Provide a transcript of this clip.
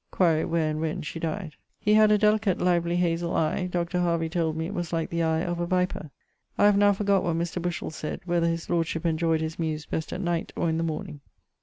Quaere where and when she died. He had a delicate, lively hazel eie; Dr. Harvey told me it was like the eie of a viper. I have now forgott what Mr. Bushell sayd, whether his lordship enjoyed his Muse best at night, or in the morning.